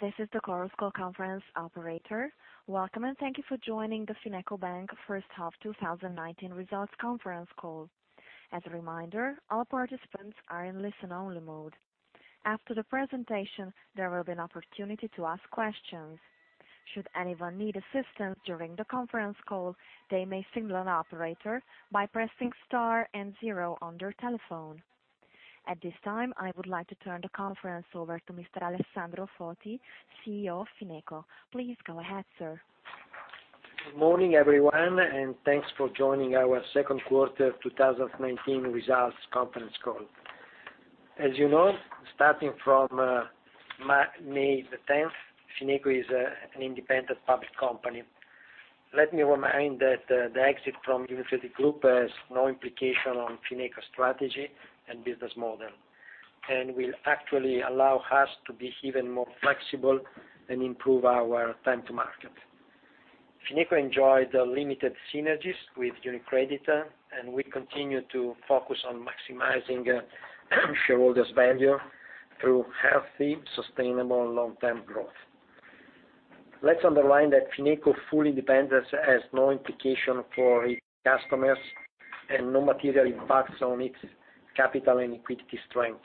This is the Chorus Call conference operator. Welcome, and thank you for joining the FinecoBank S.p.A. First Half 2019 Results Conference Call. As a reminder, all participants are in listen-only mode. After the presentation, there will be an opportunity to ask questions. Should anyone need assistance during the conference call, they may signal an operator by pressing star and zero on their telephone. At this time, I would like to turn the conference over to Mr. Alessandro Foti, CEO of Fineco. Please go ahead, sir. Good morning, everyone, thanks for joining our second quarter 2019 results conference call. As you know, starting from May the 10th, Fineco is an independent public company. Let me remind you that the exit from UniCredit Group has no implication on Fineco's strategy and business model, will actually allow us to be even more flexible and improve our time to market. Fineco enjoyed limited synergies with UniCredit, we continue to focus on maximizing shareholders' value through healthy, sustainable, long-term growth. Let's underline that Fineco fully independent has no implication for its customers and no material impacts on its capital and liquidity strength.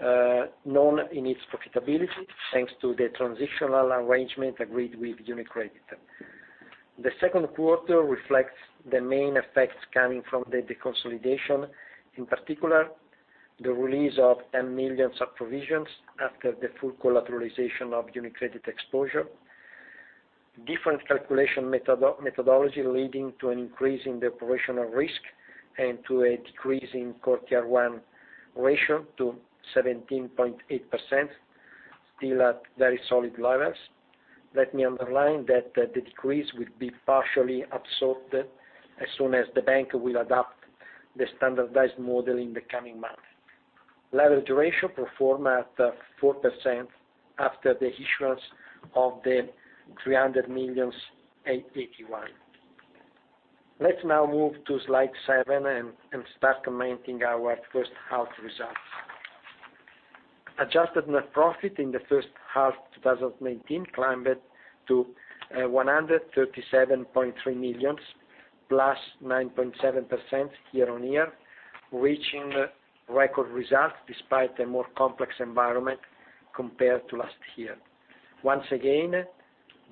None in its profitability, thanks to the transitional arrangement agreed with UniCredit. The second quarter reflects the main effects coming from the deconsolidation. In particular, the release of 10 million sub-provisions after the full collateralization of UniCredit exposure, different calculation methodology leading to an increase in the operational risk, and to a decrease in Core Tier 1 ratio to 17.8%, still at very solid levels. Let me underline that the decrease will be partially absorbed as soon as the bank will adopt the standardized model in the coming months. Leverage ratio performed at 4% after the issuance of the 300 million AT1. Let's now move to slide seven and start commenting on our first half results. Adjusted net profit in the first half of 2019 climbed to 137.3 million, plus 9.7% year-on-year, reaching record results despite a more complex environment compared to last year. Once again,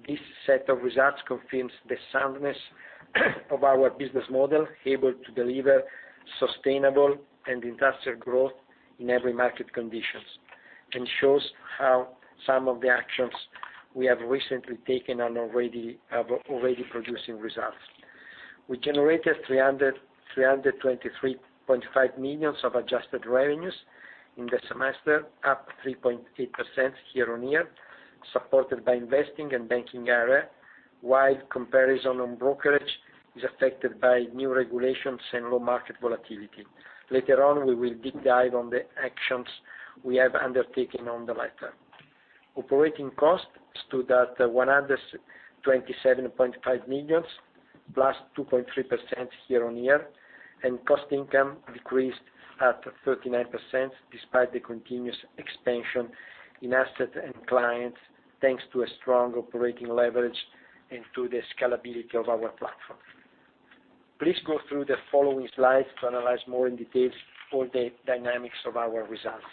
this set of results confirms the soundness of our business model, able to deliver sustainable and industrial growth in every market condition, and shows how some of the actions we have recently taken are already producing results. We generated 323.5 million of adjusted revenues in the semester, up 3.8% year-over-year, supported by investing and banking area, while comparison on brokerage is affected by new regulations and low market volatility. Later on, we will deep dive on the actions we have undertaken on the latter. Operating costs stood at EUR 127.5 million, +2.3% year-over-year, and cost-income ratio decreased at 39%, despite the continuous expansion in assets and clients, thanks to a strong operating leverage and to the scalability of our platform. Please go through the following slides to analyze more in detail all the dynamics of our results.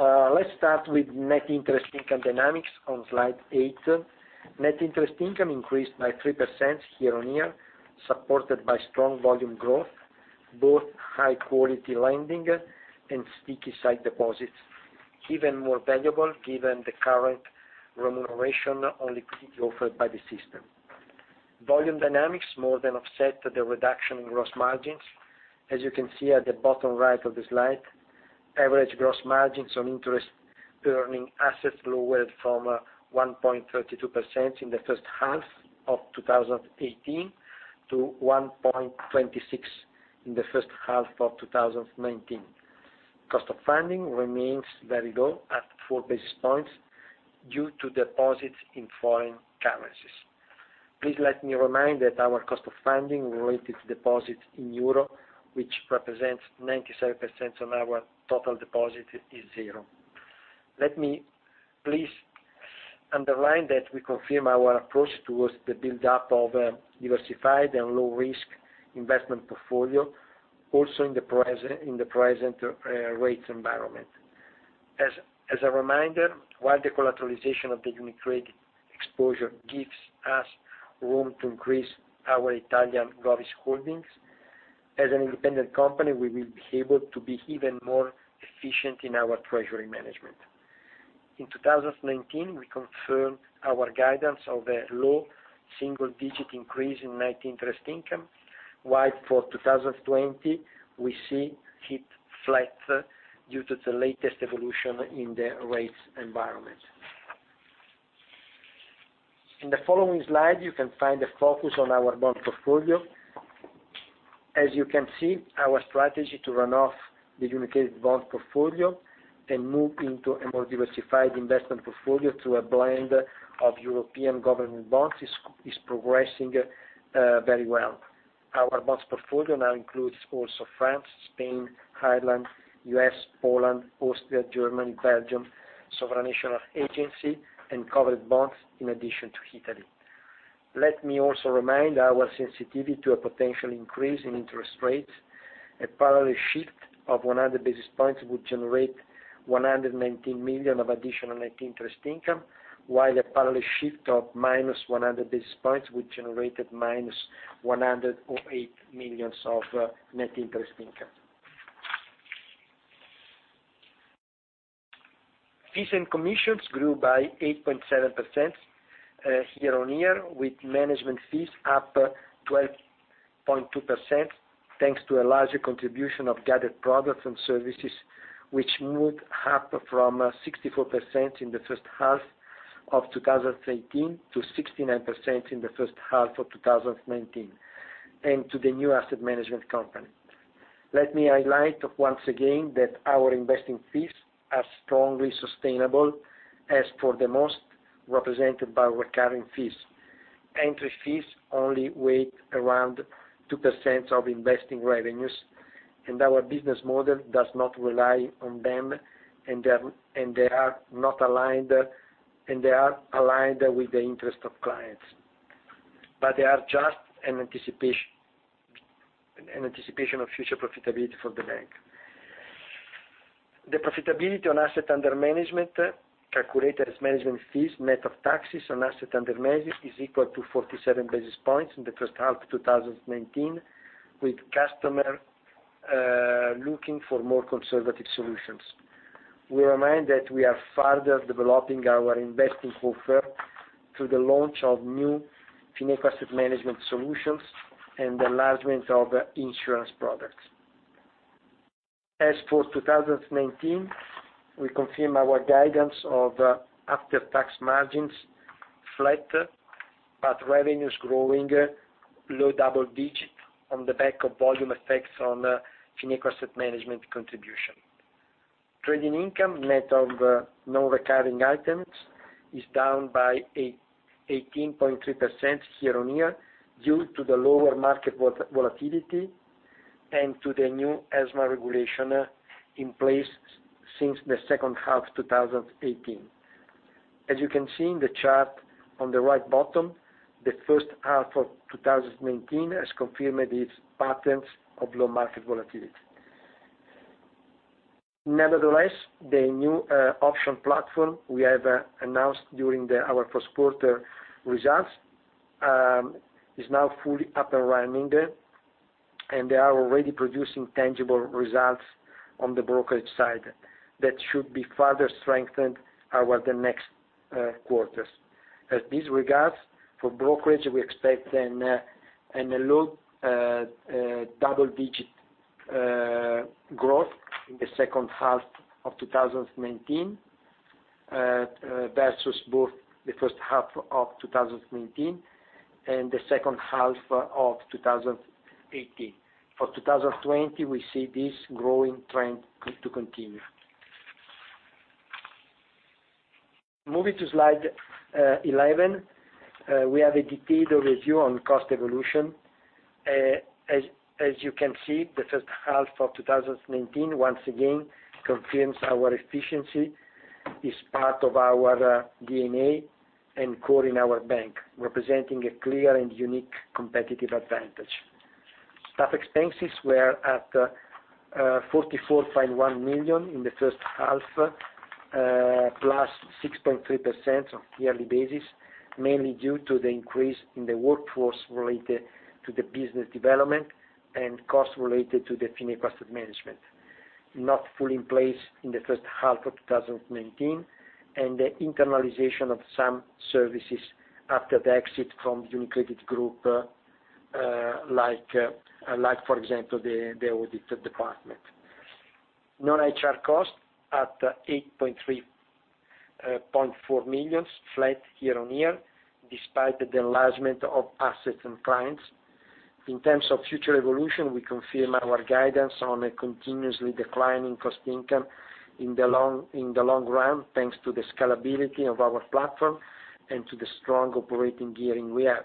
Let's start with net interest income dynamics on slide eight. net interest income increased by 3% year-on-year, supported by strong volume growth, both high-quality lending and sticky side deposits, even more valuable given the current remuneration on liquidity offered by the system. Volume dynamics more than offset the reduction in gross margins. As you can see at the bottom right of the slide, average gross margins on interest-earning assets lowered from 1.32% in the first half of 2018 to 1.26% in the first half of 2019. cost of funding remains very low at four basis points due to deposits in foreign currencies. Please let me remind you that our cost of funding related to deposits in euro, which represents 97% of our total deposit, is zero. Let me please underline that we confirm our approach towards the build-up of a diversified and low-risk investment portfolio, also in the present rates environment. As a reminder, while the collateralization of the UniCredit exposure gives us room to increase our Italian govies holdings, as an independent company, we will be able to be even more efficient in our treasury management. In 2019, we confirmed our guidance of a low single-digit increase in net interest income, while for 2020, we see it flat due to the latest evolution in the rates environment. In the following slide, you can find a focus on our bond portfolio. As you can see, our strategy to run off the UniCredit bond portfolio and move into a more diversified investment portfolio through a blend of European government bonds is progressing very well. Our bonds portfolio now includes also France, Spain, Ireland, U.S., Poland, Austria, Germany, Belgium, Supranational Agency, and covered bonds in addition to Italy. Let me also remind our sensitivity to a potential increase in interest rates. A parallel shift of 100 basis points would generate 119 million of additional net interest income, while a parallel shift of minus 100 basis points would generate minus 108 million of net interest income. Fees and commissions grew by 8.7% year-over-year, with management fees up 12.2%, thanks to a larger contribution of gathered products and services, which moved half from 64% in the first half of 2018 to 69% in the first half of 2019, and to the new asset management company. Let me highlight once again that our investing fees are strongly sustainable as for the most represented by recurring fees. Entry fees only weight around 2% of investing revenues, our business model does not rely on them, and they are aligned with the interest of clients. They are just an anticipation of future profitability for the bank. The profitability on asset under management, calculated as management fees, net of taxes on asset under management, is equal to 47 basis points in the first half 2019, with customer looking for more conservative solutions. We remind that we are further developing our investing offer through the launch of new Fineco Asset Management solutions and the enlargement of insurance products. As for 2019, we confirm our guidance of after-tax margins flat, but revenues growing low double digit on the back of volume effects on Fineco Asset Management contribution. Trading income net of non-recurring items is down by 18.3% year-on-year due to the lower market volatility and to the new ESMA regulation in place since the second half 2018. As you can see in the chart on the right bottom, the first half of 2019 has confirmed these patterns of low market volatility. Nevertheless, the new option platform we have announced during our first quarter results is now fully up and running, they are already producing tangible results on the brokerage side that should be further strengthened over the next quarters. At this regards, for brokerage, we expect a low double-digit growth in the second half of 2019, versus both the first half of 2019 and the second half of 2018. For 2020, we see this growing trend to continue. Moving to slide 11, we have a detailed review on cost evolution. As you can see, the first half of 2019 once again confirms our efficiency is part of our DNA and core in our bank, representing a clear and unique competitive advantage. Staff expenses were at 44.1 million in the first half, plus 6.3% on a yearly basis, mainly due to the increase in the workforce related to the business development and cost related to the Fineco Asset Management. Not fully in place in the first half of 2019, and the internalization of some services after the exit from UniCredit Group, like for example, the audit department. Non-HR costs at 83.4 million, flat year-on-year, despite the enlargement of assets and clients. In terms of future evolution, we confirm our guidance on a continuously declining cost income in the long run, thanks to the scalability of our platform and to the strong operating gearing we have.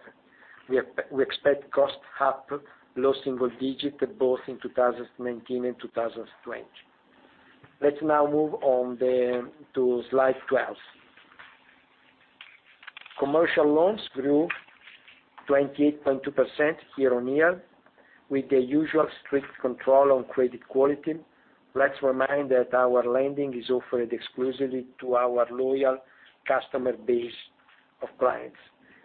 We expect cost up low single digit both in 2019 and 2020. Let's now move on to slide 12. Commercial loans grew 28.2% year-on-year with the usual strict control on credit quality. Let's remind that our lending is offered exclusively to our loyal customer base of clients,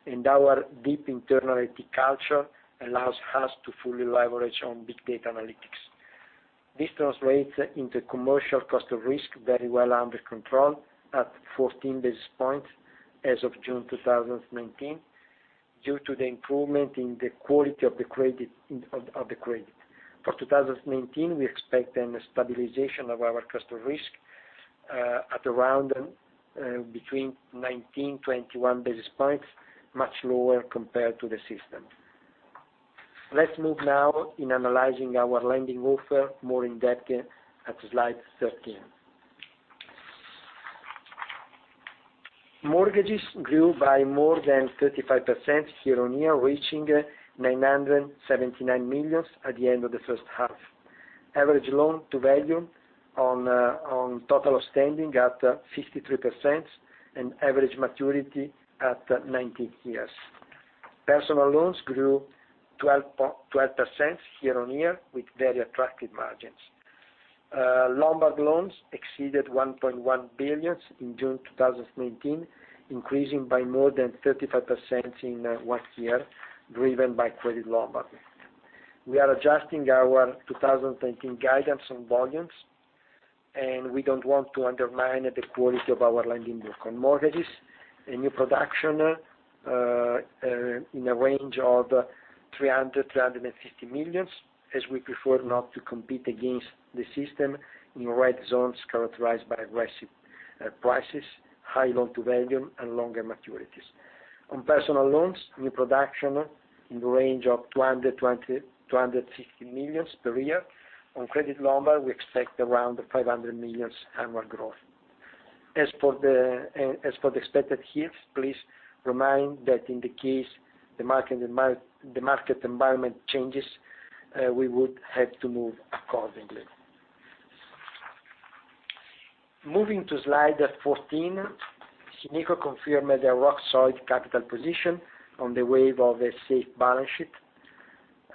and our deep internal IT culture allows us to fully leverage on big data analytics. This translates into commercial cost of risk very well under control at 14 basis points as of June 2019, due to the improvement in the quality of the credit. For 2019, we expect a stabilization of our cost of risk at around between 19-21 basis points, much lower compared to the system. Let's move now in analyzing our lending offer more in depth at slide 13. Mortgages grew by more than 35% year-on-year, reaching 979 million at the end of the first half. Average loan-to-value on total outstanding at 53% and average maturity at 19 years. Personal loans grew 12% year-on-year with very attractive margins. Lombard loans exceeded 1.1 billion in June 2019, increasing by more than 35% in one year, driven by Credit Lombard. We are adjusting our 2020 guidance on volumes, and we don't want to undermine the quality of our lending book. On mortgages, a new production in a range of 300 million-350 million, as we prefer not to compete against the system in red zones characterized by aggressive prices, high loan-to-value, and longer maturities. On personal loans, new production in the range of 250 million per year. On Credit Lombard, we expect around 500 million annual growth. As for the expected yields, please remind that in the case the market environment changes, we would have to move accordingly. Moving to slide 14, Fineco confirms a rock-solid capital position on the wave of a safe balance sheet.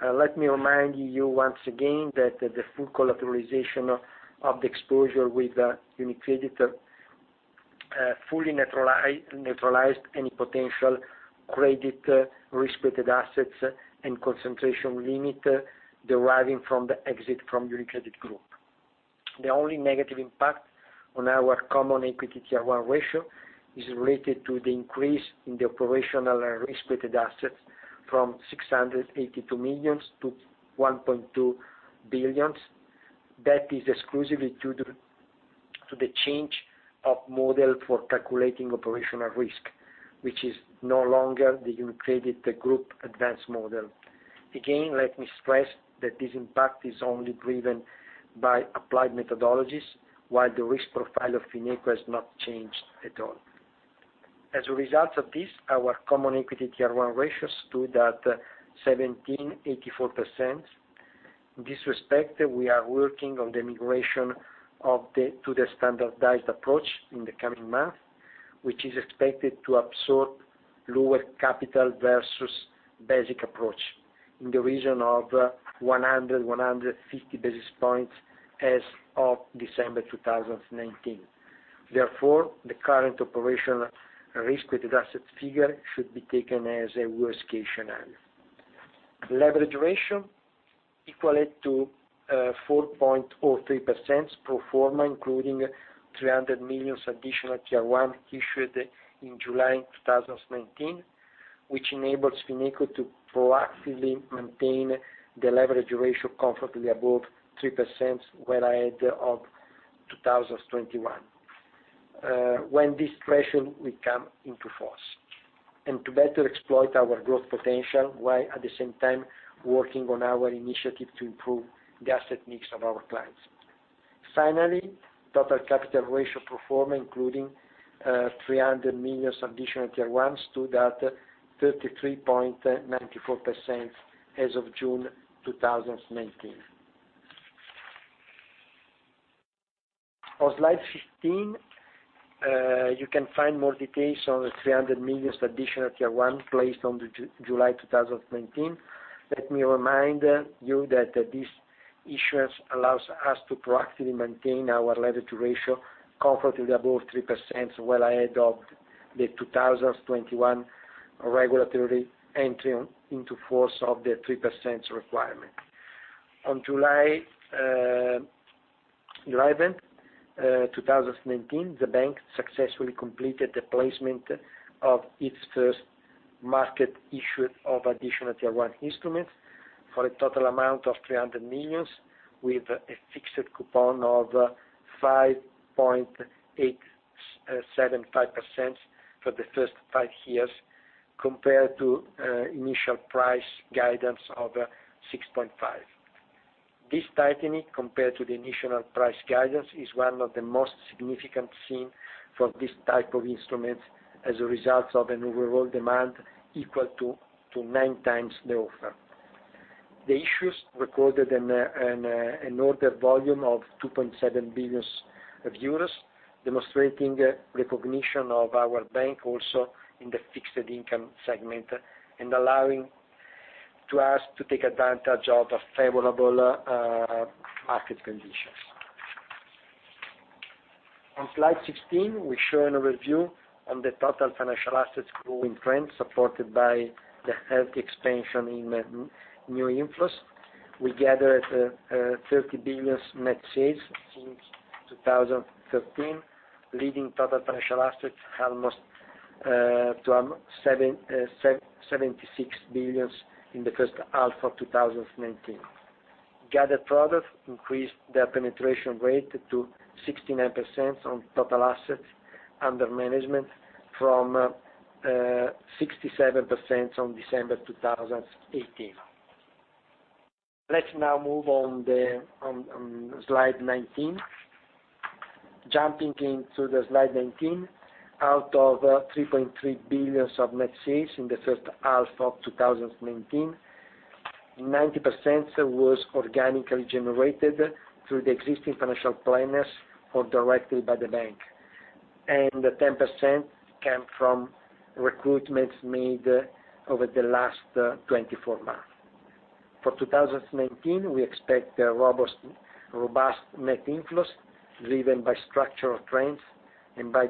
Let me remind you once again that the full collateralization of the exposure with UniCredit fully neutralized any potential credit-risk-weighted assets and concentration limit deriving from the exit from UniCredit Group. The only negative impact on our Common Equity Tier 1 ratio is related to the increase in the operational risk-weighted assets from 682 million to 1.2 billion. That is exclusively due to the change of model for calculating operational risk, which is no longer the UniCredit Group advanced model. Again, let me stress that this impact is only driven by applied methodologies, while the risk profile of Fineco has not changed at all. As a result of this, our Common Equity Tier 1 ratio stood at 17.84%. In this respect, we are working on the migration to the Standardised Approach in the coming month, which is expected to absorb lower capital versus basic approach in the region of 100, 150 basis points as of December 2019. The current Operational Risk-Weighted asset figure should be taken as a worst-case scenario. leverage ratio equaled to 4.03% pro forma, including 300 million Additional Tier 1 issued in July 2019, which enables Fineco to proactively maintain the leverage ratio comfortably above 3% well ahead of 2021, when this ratio will come into force, and to better exploit our growth potential, while at the same time working on our initiative to improve the asset mix of our clients. total capital ratio pro forma, including 300 million Additional Tier 1s, stood at 33.94% as of June 2019. On slide 15, you can find more details on the 300 million Additional Tier 1 placed on July 2019. Let me remind you that this issuance allows us to proactively maintain our leverage ratio comfortably above 3% well ahead of the 2021 regulatory entry into force of the 3% requirement. On July 11th, 2019, the bank successfully completed the placement of its first market issue of Additional Tier 1 instruments for a total amount of 300 million with a fixed coupon of 5.875% for the first five years, compared to initial price guidance of 6.5%. This tightening compared to the initial price guidance is one of the most significant seen for this type of instrument as a result of an overall demand equal to nine times the offer. The issuance recorded an order volume of 2.7 billion euros, demonstrating recognition of our bank also in the fixed income segment, and allowing to us to take advantage of favorable market conditions. On slide 16, we show an overview on the total financial assets growing trend supported by the healthy expansion in new inflows. We gathered 30 billion EUR net sales since 2013, leading total financial assets to almost 76 billion EUR in the first half of 2019. Gathered products increased their penetration rate to 69% on total assets under management from 67% on December 2018. Let's now move on slide 19. Jumping into the slide 19, out of 3.3 billion EUR of net sales in the first half of 2019, 90% was organically generated through the existing financial planners or directly by the bank, and 10% came from recruitments made over the last 24 months. For 2019, we expect a robust net inflows driven by structural trends and by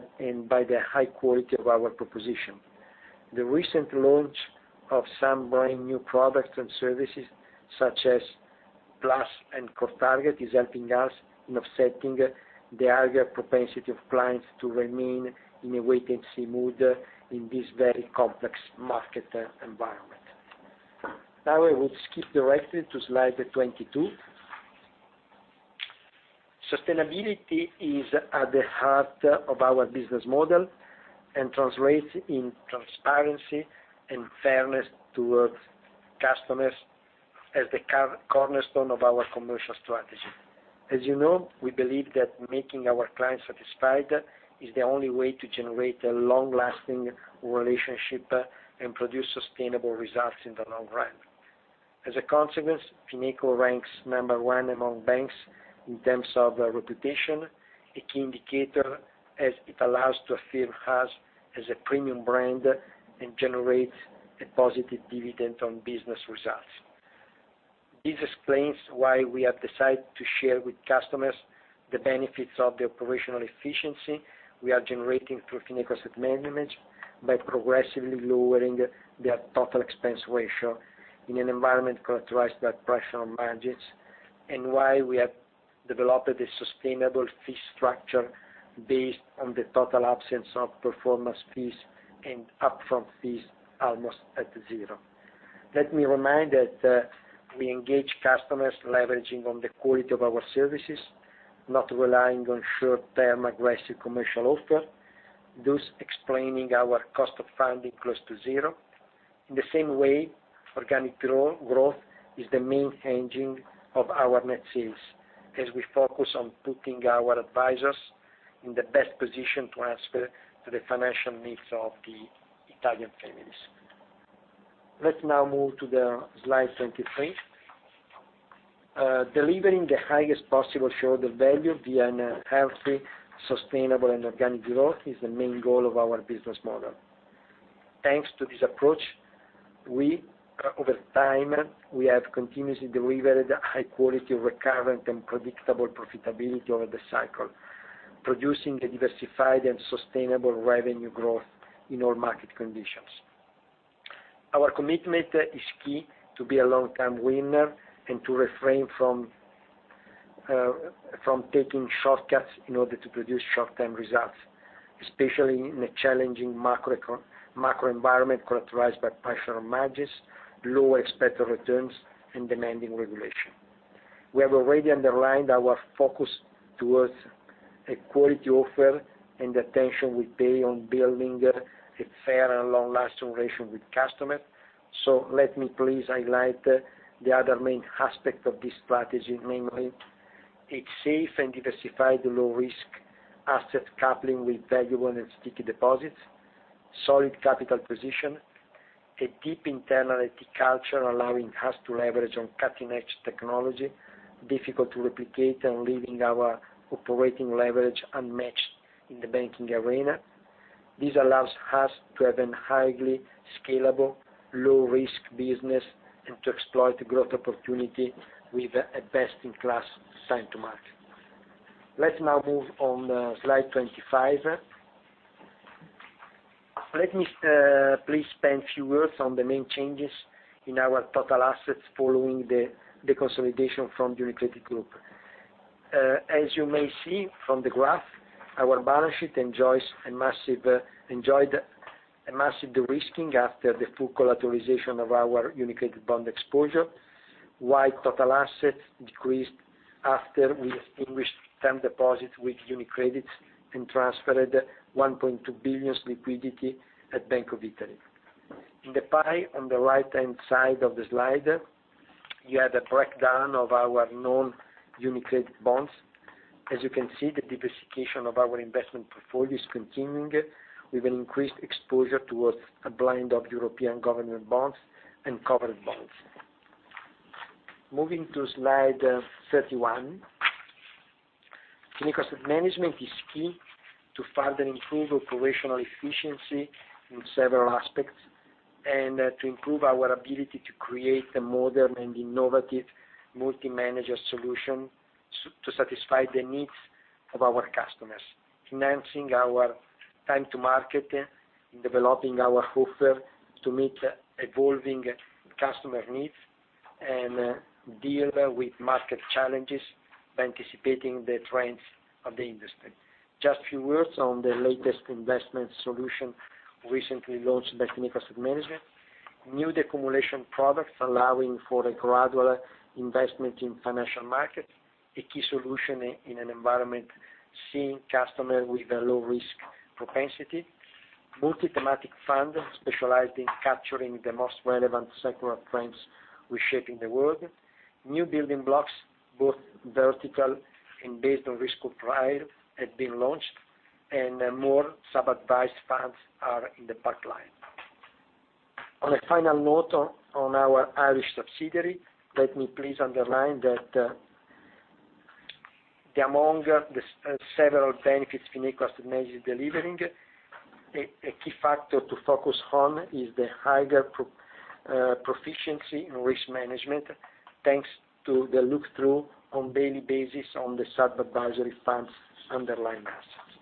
the high quality of our proposition. The recent launch of some brand-new products and services, such as Plus and CORE Target, is helping us in offsetting the higher propensity of clients to remain in a wait-and-see mood in this very complex market environment. I will skip directly to slide 22. Sustainability is at the heart of our business model and translates in transparency and fairness towards customers as the cornerstone of our commercial strategy. As you know, we believe that making our clients satisfied is the only way to generate a long-lasting relationship and produce sustainable results in the long run. As a consequence, Fineco ranks number one among banks in terms of reputation, a key indicator as it allows to affirm us as a premium brand and generates a positive dividend on business results. This explains why we have decided to share with customers the benefits of the operational efficiency we are generating through Fineco Asset Management by progressively lowering their total expense ratio in an environment characterized by pressure on margins, and why we have developed a sustainable fee structure based on the total absence of performance fees and upfront fees almost at zero. Let me remind that we engage customers leveraging on the quality of our services, not relying on short-term aggressive commercial offer, thus explaining our cost of funding close to zero. In the same way, organic growth is the main engine of our net sales as we focus on putting our advisors in the best position to answer to the financial needs of the Italian families. Let's now move to slide 23. Delivering the highest possible shareholder value via a healthy, sustainable, and organic growth is the main goal of our business model. Thanks to this approach, over time, we have continuously delivered high-quality, recurrent, and predictable profitability over the cycle, producing a diversified and sustainable revenue growth in all market conditions. Our commitment is key to be a long-term winner and to refrain from taking shortcuts in order to produce short-term results, especially in a challenging macro environment characterized by pressure on margins, low expected returns, and demanding regulation. We have already underlined our focus towards a quality offer and the attention we pay on building a fair and long-lasting relation with customers. Let me please highlight the other main aspect of this strategy, namely, a safe and diversified low-risk asset coupling with valuable and sticky deposits, solid capital position, a deep internal IT culture allowing us to leverage on cutting-edge technology, difficult to replicate and leaving our operating leverage unmatched in the banking arena. This allows us to have a highly scalable, low-risk business and to exploit growth opportunity with a best-in-class time to market. Let's now move on slide 25. Let me please spend a few words on the main changes in our total assets following the consolidation from UniCredit Group. As you may see from the graph, our balance sheet enjoyed a massive de-risking after the full collateralization of our UniCredit bond exposure, while total assets decreased after we extinguished term deposits with UniCredit and transferred 1.2 billion liquidity at Bank of Italy. In the pie on the right-hand side of the slide, you have the breakdown of our non-UniCredit bonds. As you can see, the diversification of our investment portfolio is continuing with an increased exposure towards a blend of European government bonds and covered bonds. Moving to slide 31. Fineco Asset Management is key to further improve operational efficiency in several aspects and to improve our ability to create a modern and innovative multi-manager solution to satisfy the needs of our customers, enhancing our time to market, in developing our offer to meet evolving customer needs, and deal with market challenges by anticipating the trends of the industry. Just a few words on the latest investment solution recently launched by Fineco Asset Management. New decumulation products allowing for a gradual investment in financial markets, a key solution in an environment seeing customers with a low risk propensity. Multi-thematic fund specialized in capturing the most relevant secular trends reshaping the world. New building blocks, both vertical and based on risk profile, have been launched, and more sub-advised funds are in the pipeline. On a final note on our Irish subsidiary, let me please underline that among the several benefits Fineco has managed delivering, a key factor to focus on is the higher proficiency in risk management, thanks to the look-through on daily basis on the sub-advisory funds' underlying assets.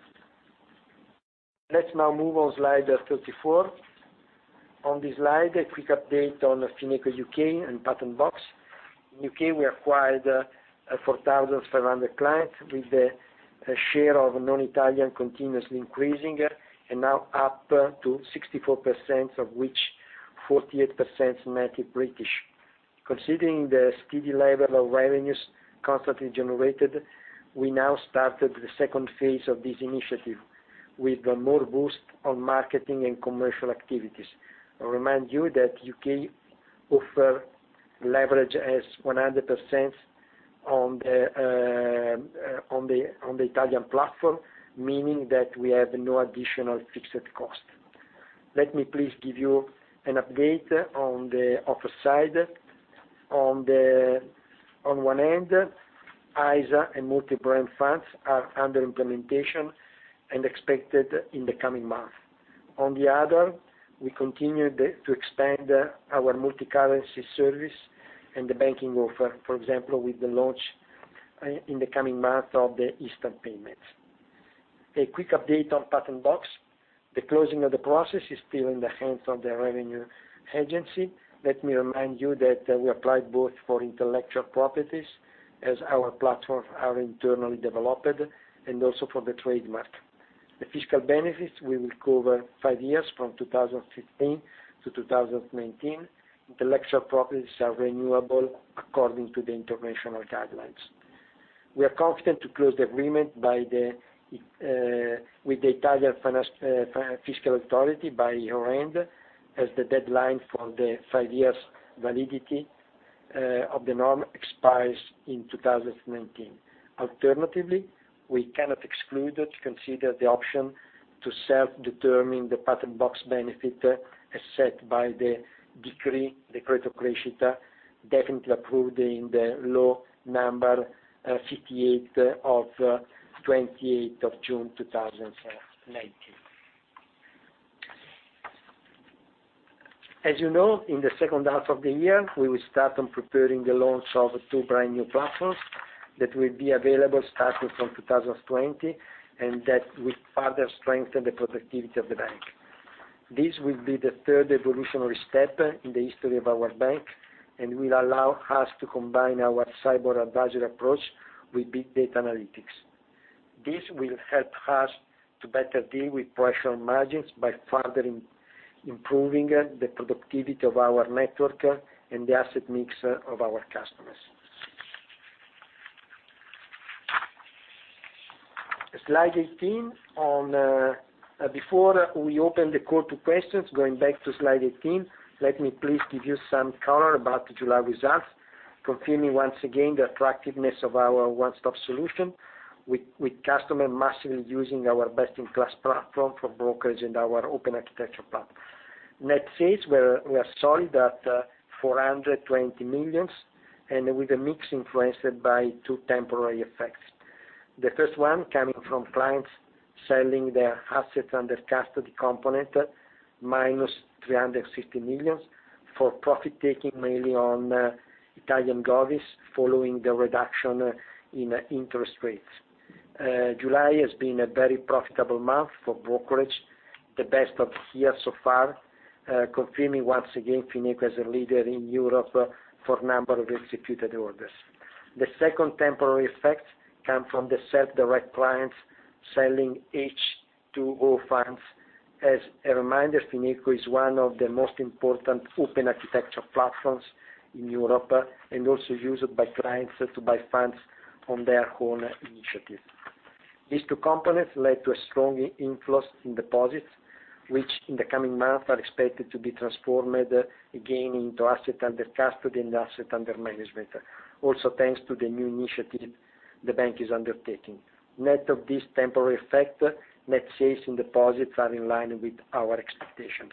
Let's now move on slide 34. On this slide, a quick update on FinecoBank U.K. and Patent Box. In U.K., we acquired 4,500 clients with a share of non-Italian continuously increasing and now up to 64%, of which 48% is native British. Considering the steady level of revenues constantly generated, we now started the second phase of this initiative with more boost on marketing and commercial activities. I remind you that U.K. offer leverage as 100% on the Italian platform, meaning that we have no additional fixed cost. Let me please give you an update on the offer side. On one end, ISA and multi-brand funds are under implementation and expected in the coming month. On the other, we continue to expand our multi-currency service and the banking offer. For example, with the launch in the coming month of the instant payments. A quick update on Patent Box. The closing of the process is still in the hands of the revenue agency. Let me remind you that we applied both for intellectual properties as our platforms are internally developed, and also for the trademark. The fiscal benefits will recover five years from 2015 to 2019. Intellectual properties are renewable according to the international guidelines. We are confident to close the agreement with the Italian fiscal authority by year-end as the deadline for the five years validity of the norm expires in 2019. Alternatively, we cannot exclude or consider the option to self-determine the Patent Box benefit as set by the decree, Decreto Crescita, definitely approved in the Law Number 58 of 28th of June 2019. As you know, in the second half of the year, we will start on preparing the launch of two brand-new platforms that will be available starting from 2020, and that will further strengthen the productivity of the bank. This will be the third evolutionary step in the history of our bank and will allow us to combine our cyber advisor approach with big data analytics. This will help us to better deal with pressure on margins by further improving the productivity of our network and the asset mix of our customers. Slide 18. Before we open the call to questions, going back to slide 18, let me please give you some color about the July results, confirming once again the attractiveness of our one-stop solution, with customer massively using our best-in-class platform for brokerage and our open architecture platform. Net sales were solid at 420 million and with a mix influenced by two temporary effects. The first one coming from clients selling their assets under custody component, minus 350 million, for profit-taking mainly on Italian govies following the reduction in interest rates. July has been a very profitable month for brokerage, the best of year so far, confirming once again Fineco as a leader in Europe for number of executed orders. The second temporary effect came from the self-direct clients selling H2O funds. As a reminder, Fineco is one of the most important open architecture platforms in Europe and also used by clients to buy funds on their own initiative. These two components led to a strong inflows in deposits, which in the coming months are expected to be transformed again into assets under custody and assets under management. Also, thanks to the new initiative the bank is undertaking. Net of this temporary effect, net sales and deposits are in line with our expectations.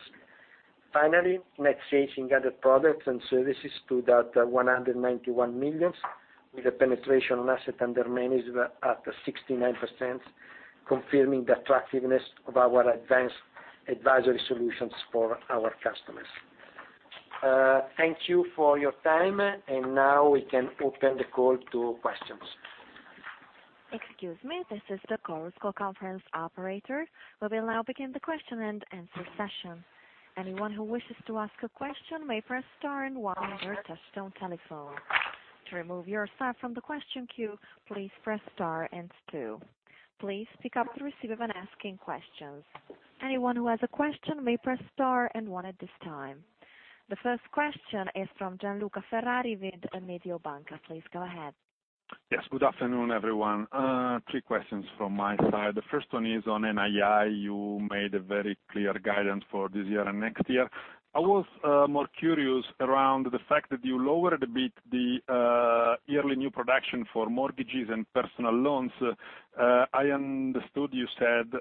Finally, net sales in gathered products and services stood at 191 million, with a penetration on assets under management at 69%, confirming the attractiveness of our advanced advisory solutions for our customers. Thank you for your time, and now we can open the call to questions. Excuse me, this is the Chorus Call conference operator. We will now begin the question-and-answer session. Anyone who wishes to ask a question may press star and one on their touchtone telephone. To remove yourself from the question queue, please press star and two. Please pick up the receiver when asking questions. Anyone who has a question may press star and one at this time. The first question is from Gianluca Ferrari with Mediobanca. Please go ahead. Yes. Good afternoon, everyone. Three questions from my side. The first one is on NII. You made a very clear guidance for this year and next year. I was more curious around the fact that you lowered a bit the yearly new production for mortgages and personal loans. I understood you said,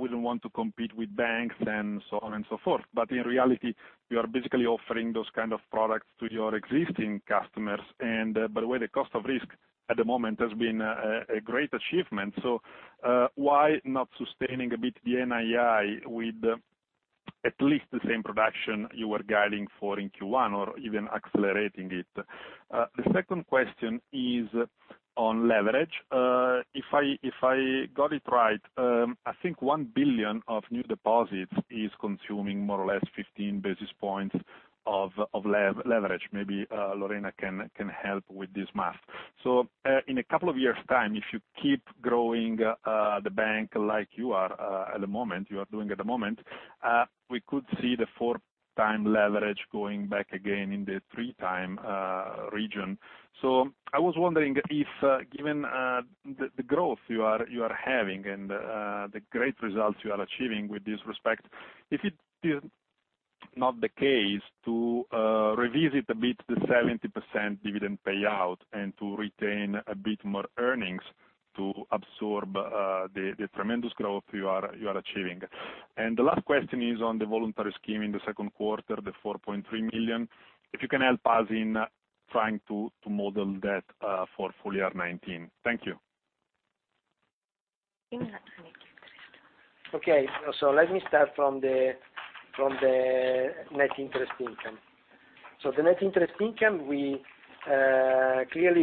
"We don't want to compete with banks," and so on and so forth. In reality, you are basically offering those kind of products to your existing customers. By the way, the cost of risk at the moment has been a great achievement. Why not sustaining a bit the NII with at least the same production you were guiding for in Q1, or even accelerating it? The second question is on leverage. If I got it right, I think 1 billion of new deposits is consuming more or less 15 basis points of leverage. Maybe Lorena can help with this math. In a couple of years' time, if you keep growing the bank like you are doing at the moment, we could see the four times leverage going back again in the three times region. I was wondering if, given the growth you are having and the great results you are achieving with this respect, if it is not the case to revisit a bit the 70% dividend payout and to retain a bit more earnings to absorb the tremendous growth you are achieving. The last question is on the Voluntary Scheme in the second quarter, the 4.3 million, if you can help us in trying to model that for full year 2019. Thank you. Let me start from the net interest income. The net interest income, clearly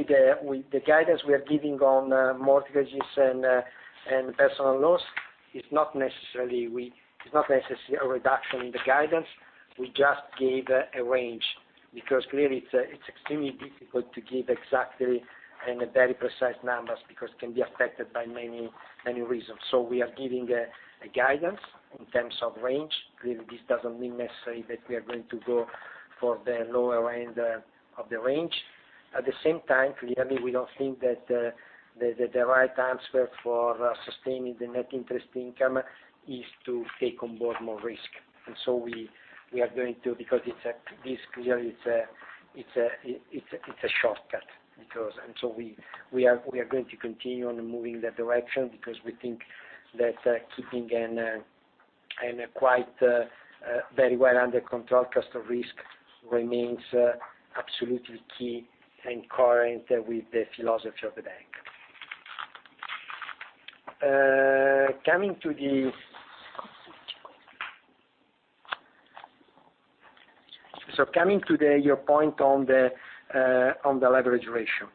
the guidance we are giving on mortgages and personal loans is not necessarily a reduction in the guidance. We just gave a range because clearly it's extremely difficult to give exactly and very precise numbers because it can be affected by many reasons. We are giving a guidance in terms of range. Clearly, this doesn't mean necessarily that we are going to go for the lower end of the range. At the same time, clearly, we don't think that the right answer for sustaining the net interest income is to take on board more risk. We are going to, because this clearly it's a shortcut. We are going to continue on moving that direction because we think that keeping a quite very well under control cost of risk remains absolutely key and current with the philosophy of the bank. Coming to your point on the leverage ratio.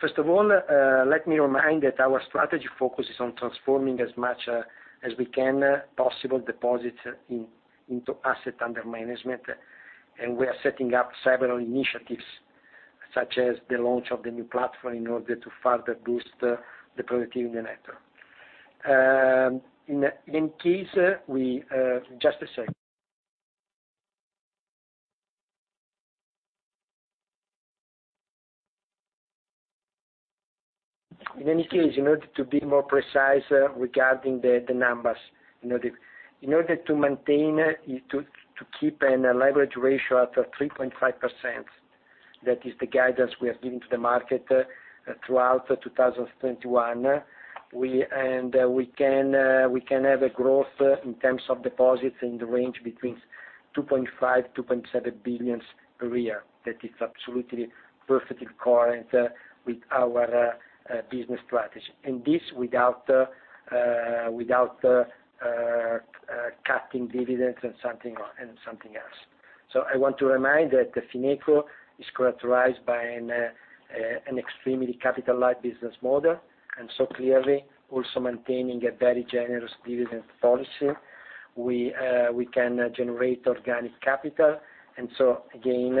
First of all, let me remind that our strategy focuses on transforming as much as we can possible deposits into asset under management. We are setting up several initiatives, such as the launch of the new platform in order to further boost the productivity in the network. In any case, in order to be more precise regarding the numbers. In order to keep a leverage ratio at 3.5%, that is the guidance we are giving to the market throughout 2021. We can have a growth in terms of deposits in the range between 2.5 billion and 2.7 billion per year. That is absolutely perfectly current with our business strategy. This without cutting dividends and something else. I want to remind that Fineco is characterized by an extremely capital-light business model, and so clearly also maintaining a very generous dividend policy. We can generate organic capital. Again,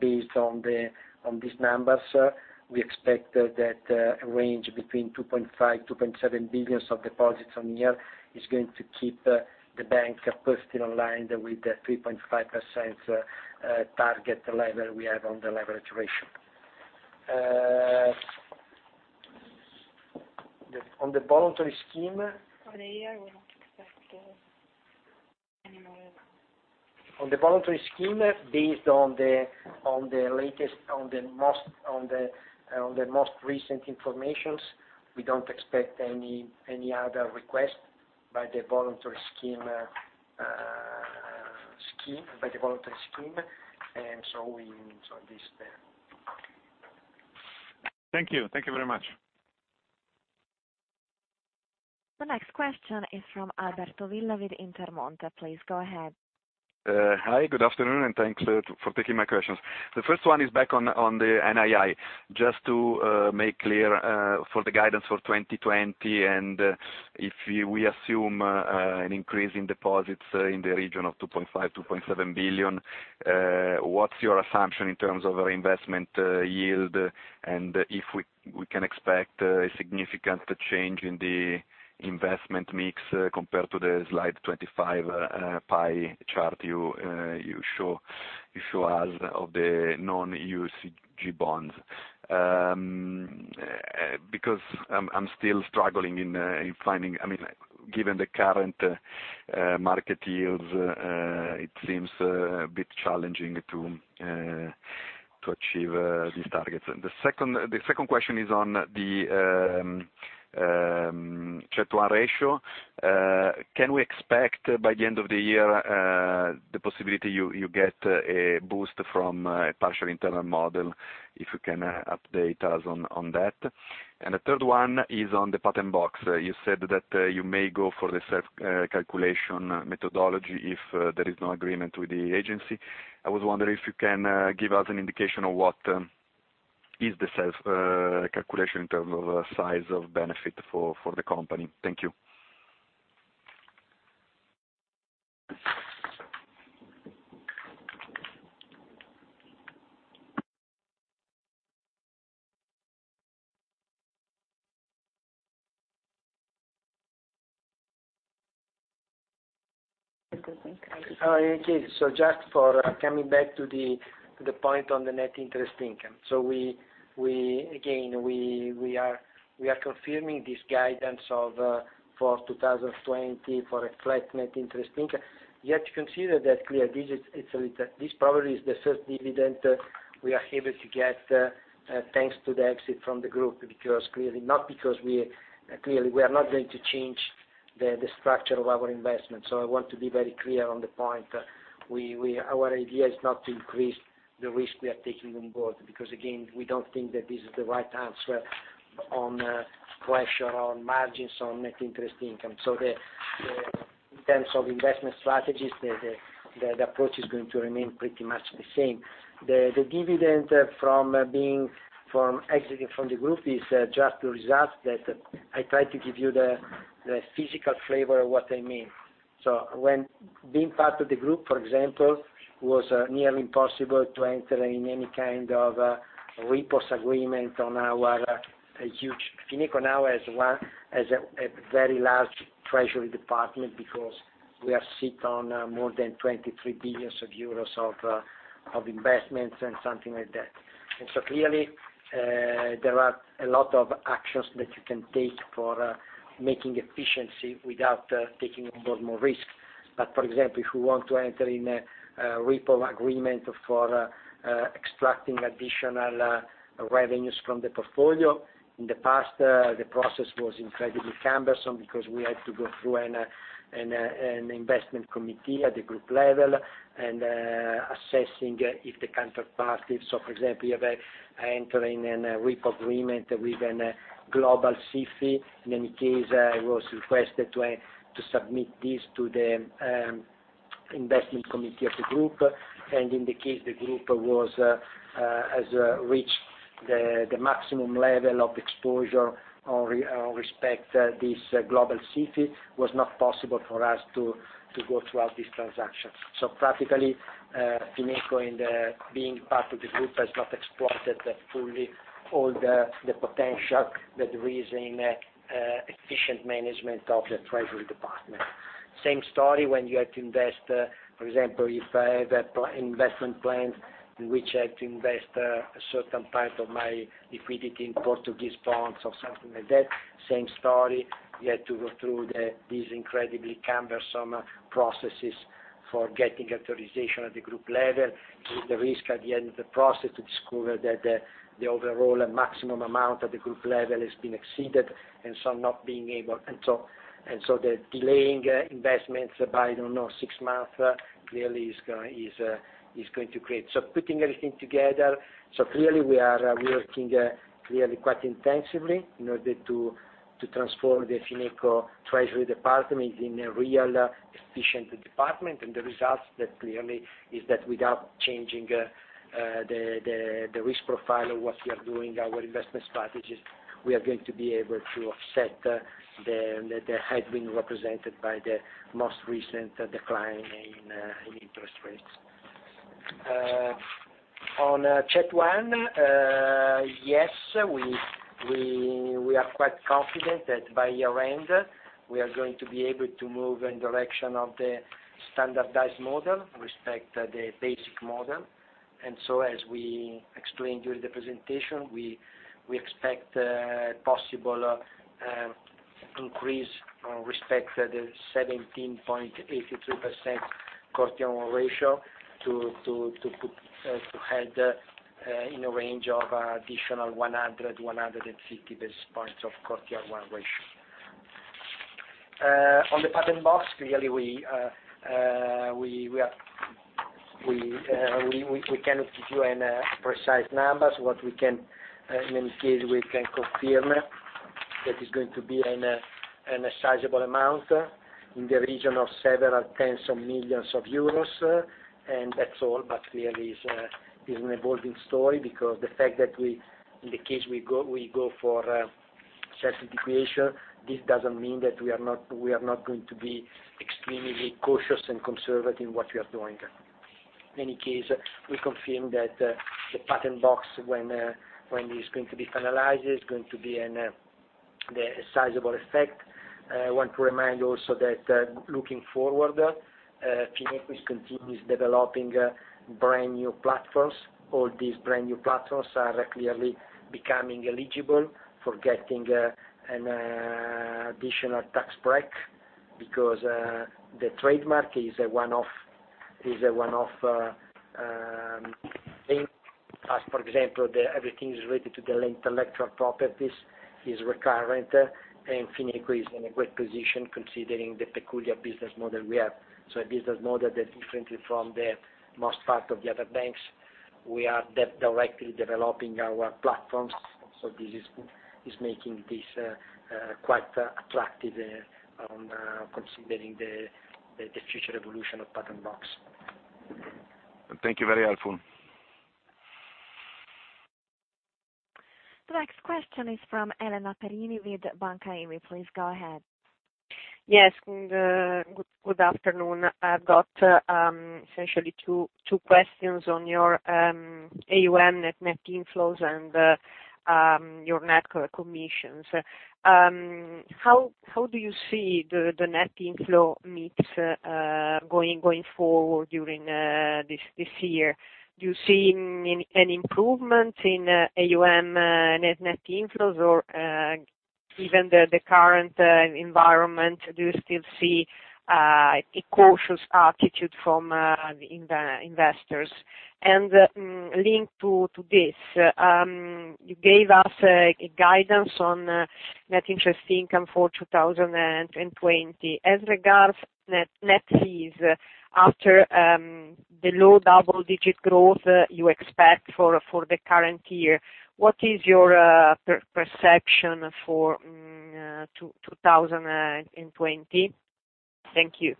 based on these numbers, we expect that a range between 2.5 billion and 2.7 billion of deposits on year is going to keep the bank personally in line with the 3.5% target level we have on the leverage ratio. On the Voluntary Scheme. For the year, we don't expect anymore. On the Voluntary Scheme, based on the most recent information, we don't expect any other request by the Voluntary Scheme. Thank you. Thank you very much. The next question is from Alberto Villa with Intermonte. Please go ahead. Hi, good afternoon, and thanks for taking my questions. The first one is back on the NII. Just to make clear for the guidance for 2020, if we assume an increase in deposits in the region of 2.5 billion-2.7 billion, what's your assumption in terms of investment yield? If we can expect a significant change in the investment mix compared to the slide 25 pie chart you show us of the non-EUCG bonds. Because I'm still struggling in finding Given the current market yields, it seems a bit challenging to achieve these targets. The second question is on the CET1 ratio. Can we expect by the end of the year, the possibility you get a boost from a partial internal model, if you can update us on that. The third one is on the Patent Box. You said that you may go for the self-calculation methodology if there is no agreement with the agency. I was wondering if you can give us an indication of what is the self-calculation in terms of size of benefit for the company. Thank you. Okay. Just for coming back to the point on the net interest income. Again, we are confirming this guidance for 2020 for a flat net interest income. You have to consider that clearly this probably is the first dividend we are able to get thanks to the exit from the group, not because clearly we are not going to change the structure of our investment. I want to be very clear on the point. Our idea is not to increase the risk we are taking on board, because again, we don't think that this is the right answer on the question on margins on net interest income. In terms of investment strategies, the approach is going to remain pretty much the same. The dividend from exiting from the group is just a result that I try to give you the physical flavor of what I mean. When being part of the group, for example, was nearly impossible to enter in any kind of repos agreement. Fineco now has a very large treasury department because we are sit on more than 23 billion euros of investments and something like that. Clearly, there are a lot of actions that you can take for making efficiency without taking on board more risk. For example, if you want to enter in a repo agreement for extracting additional revenues from the portfolio, in the past, the process was incredibly cumbersome because we had to go through an investment committee at the group level and assessing if the counterparty, for example, you have entering in a repo agreement with an global SIFI, in any case, it was requested to submit this to the investment committee of the group. In the case the group has reached the maximum level of exposure or respect this global SIFI, was not possible for us to go throughout this transaction. Practically, Fineco in the being part of this group has not exploited fully all the potential that there is in efficient management of the treasury department. Same story when you had to invest, for example, if I have investment plans in which I have to invest a certain part of my liquidity in Portuguese bonds or something like that, same story. You had to go through these incredibly cumbersome processes for getting authorization at the group level, with the risk at the end of the process to discover that the overall maximum amount at the group level has been exceeded, and so the delaying investments by, I don't know, six months, clearly is going to create. Putting everything together, clearly we are working quite intensively in order to transform the Fineco treasury department in a real efficient department. The results that clearly is that without changing the risk profile of what we are doing, our investment strategies, we are going to be able to offset the headwind represented by the most recent decline in interest rates. On CET1, yes, we are quite confident that by year-end, we are going to be able to move in direction of the Standardised Approach, respect the basic approach. As we explained during the presentation, we expect a possible increase respect the 17.83% CET1 ratio to head in a range of additional 100-150 basis points of CET1 ratio. On the Patent Box, clearly we cannot give you any precise numbers. What we can, in any case, we can confirm that is going to be a sizable amount in the region of several tens of millions of EUR. That's all. Clearly, it is an evolving story because the fact that in the case we go for self-integration, this doesn't mean that we are not going to be extremely cautious and conservative in what we are doing. In any case, we confirm that the Patent Box, when it is going to be finalized, is going to be a sizable effect. I want to remind also that looking forward, Fineco continues developing brand new platforms. All these brand new platforms are clearly becoming eligible for getting an additional tax break. Because the trademark is a one-off thing. Everything is related to the intellectual properties is recurrent, and Fineco is in a great position considering the peculiar business model we have. A business model that differently from the most part of the other banks, we are directly developing our platforms. This is making this quite attractive considering the future evolution of Patent Box. Thank you. Very helpful. The next question is from Elena Perini with Banca IFIS. Please go ahead. Yes. Good afternoon. I've got essentially two questions on your AUM net inflows and your net commissions. How do you see the net inflow mix going forward during this year? Do you see an improvement in AUM net inflows, or even the current environment, do you still see a cautious attitude from investors? Linked to this, you gave us a guidance on net interest income for 2020. As regards net fees, after the low double-digit growth you expect for the current year, what is your perception for 2020? Thank you.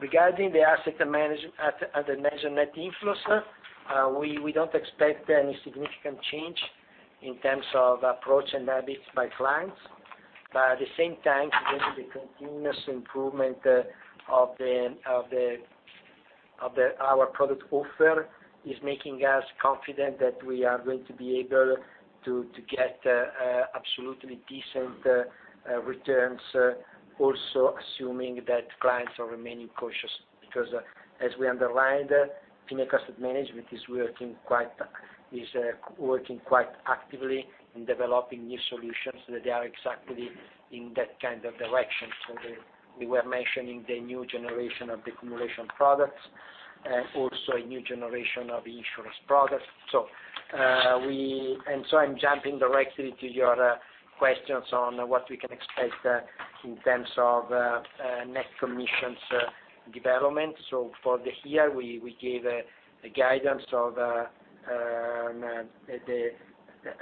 Regarding the asset under management net inflows, we don't expect any significant change in terms of approach and habits by clients. At the same time, the continuous improvement of our product offer is making us confident that we are going to be able to get absolutely decent returns, also assuming that clients are remaining cautious. Because as we underlined, Fineco Asset Management is working quite actively in developing new solutions that are exactly in that kind of direction. We were mentioning the new generation of the accumulation products, also a new generation of insurance products. I'm jumping directly to your questions on what we can expect in terms of net commissions development. For the year, we gave a guidance of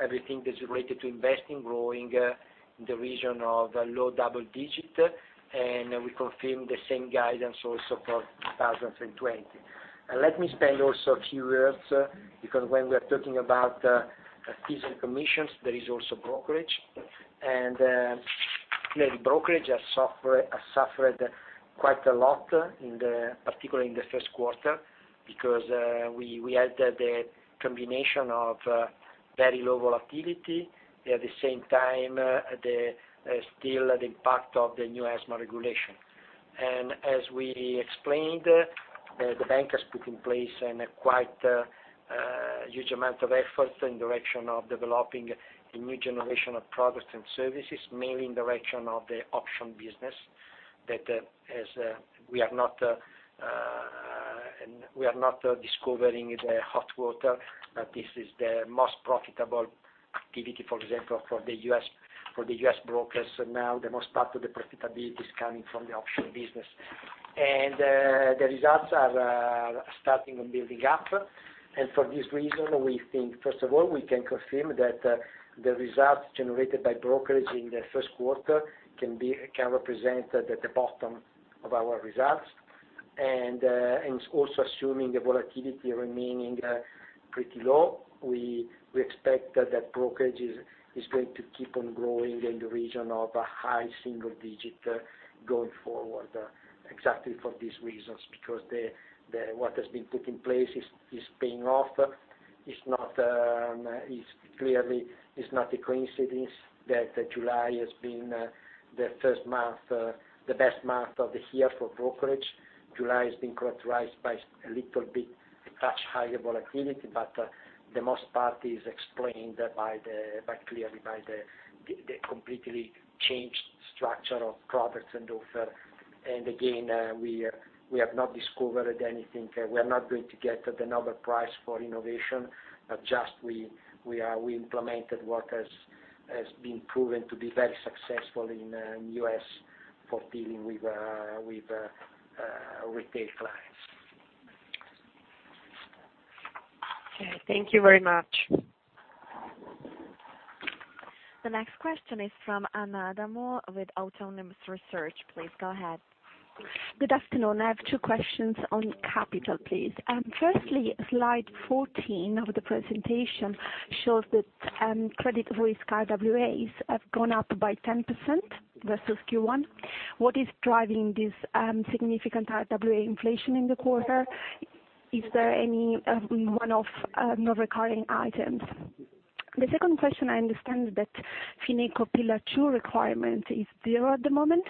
everything that's related to investing, growing in the region of low double digit, and we confirm the same guidance also for 2020. Let me spend also a few words, because when we are talking about fees and commissions, there is also brokerage. Maybe brokerage has suffered quite a lot, particularly in the first quarter, because we had the combination of very low volatility, at the same time, still the impact of the new ESMA regulation. As we explained, the bank has put in place a quite huge amount of effort in direction of developing a new generation of products and services, mainly in direction of the option business. That as we are not discovering the hot water, but this is the most profitable activity, for example, for the U.S. brokers now, the most part of the profitability is coming from the option business. The results are starting and building up. For this reason, we think, first of all, we can confirm that the results generated by brokerage in the first quarter can represent the bottom of our results. Also assuming the volatility remaining pretty low, we expect that brokerage is going to keep on growing in the region of a high single digit going forward, exactly for these reasons, because what has been taking place is paying off. It's clearly not a coincidence that July has been the best month of the year for brokerage. July has been characterized by a little bit touch higher volatility, but the most part is explained clearly by the completely changed structure of products and offer. Again, we have not discovered anything. We are not going to get the Nobel Prize for innovation, but just we implemented what has been proven to be very successful in U.S. for dealing with retail clients. Okay. Thank you very much. The next question is from Anna Adamo with Autonomous Research. Please go ahead. Good afternoon. I have two questions on capital, please. Firstly, slide 14 of the presentation shows that credit risk RWAs have gone up by 10% versus Q1. What is driving this significant RWA inflation in the quarter? Is there any one-off non-recurring items? The second question, I understand that Fineco Pillar 2 requirement is zero at the moment.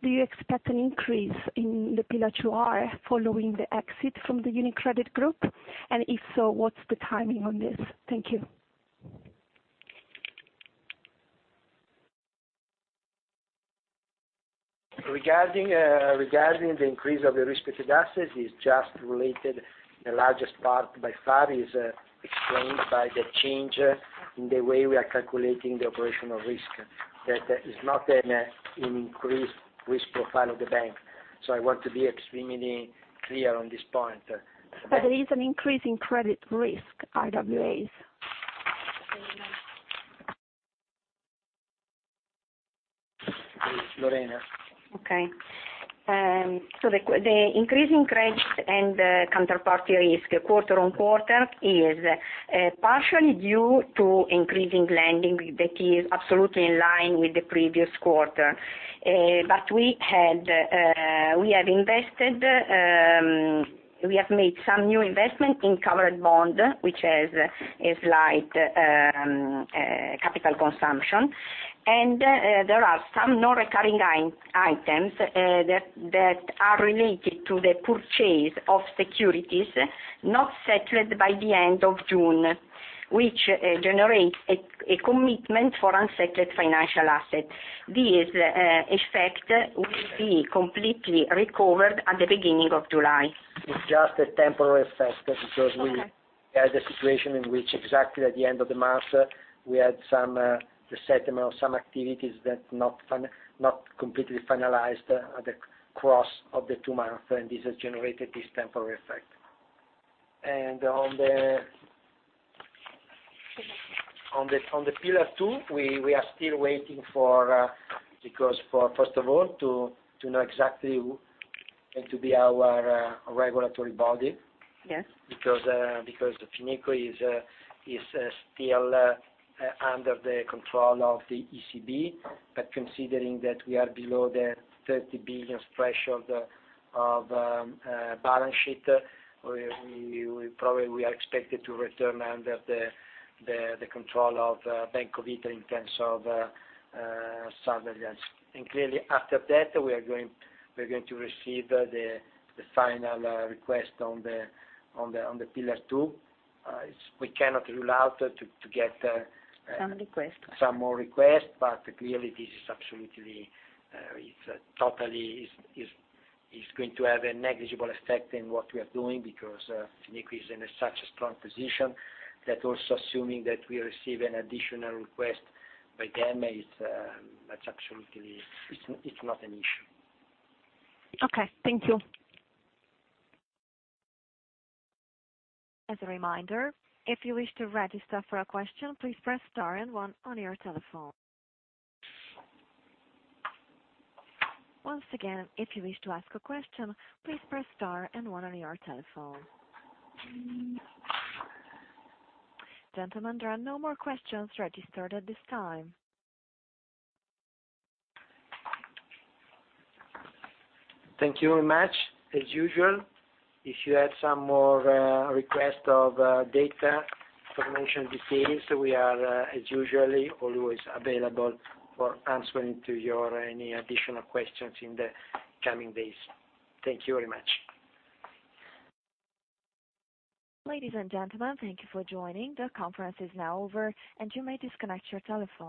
Do you expect an increase in the Pillar 2 R following the exit from the UniCredit Group? If so, what's the timing on this? Thank you. Regarding the increase of the risk-weighted assets, it's just related, the largest part by far is explained by the change in the way we are calculating the operational risk. That is not an increased risk profile of the bank. I want to be extremely clear on this point. There is an increase in credit risk RWAs. Lorena. Okay. The increase in credit and counterparty risk quarter-on-quarter is partially due to increasing lending that is absolutely in line with the previous quarter. We have made some new investment in covered bond, which has a slight capital consumption, and there are some non-recurring items that are related to the purchase of securities not settled by the end of June, which generates a commitment for unsettled financial assets. This effect will be completely recovered at the beginning of July. It's just a temporary effect because. Okay. had a situation in which exactly at the end of the month, we had the settlement of some activities that not completely finalized at the close of the two months, and this has generated this temporary effect. On the Pillar 2, we are still waiting, because first of all, to know exactly who going to be our regulatory body. Yes. Fineco is still under the control of the ECB. Considering that we are below the 30 billion threshold of balance sheet, probably we are expected to return under the control of Bank of Italy in terms of surveillance. Clearly after that, we're going to receive the final request on the Pillar 2. We cannot rule out. Some request. some more requests, but clearly, it's going to have a negligible effect in what we are doing because Fineco is in such a strong position that also assuming that we receive an additional request by them, it's not an issue. Okay. Thank you. As a reminder, if you wish to register for a question, please press star and one on your telephone. Once again, if you wish to ask a question, please press star and one on your telephone. Gentlemen, there are no more questions registered at this time. Thank you very much. As usual, if you have some more requests of data, information, details, we are as usual always available for answering to your any additional questions in the coming days. Thank you very much. Ladies and gentlemen, thank you for joining. The conference is now over, and you may disconnect your telephones.